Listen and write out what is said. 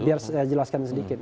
biar saya jelaskan sedikit